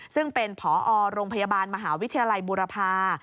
ซึ่งเป็นผอโรงพยาบาลมหาวิทยาลัยบุรพา